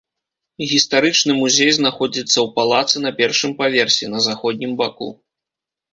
Гістарычны музей знаходзіцца ў палацы на першым паверсе, на заходнім баку.